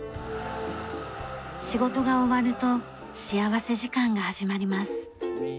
仕事が終わると幸福時間が始まります。